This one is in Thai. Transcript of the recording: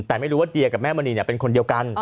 แต่ไม่รู้ว่าเดียกับแม่มณีเป็นคนเดียวกัน